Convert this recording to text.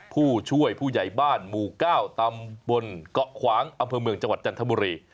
ผู้ช่วยผู้ใหญ่บ้านหมู่๙ตำบลเกาะขวางอำเภอเมืองจังหวัดจันทบุรี